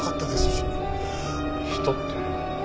人って。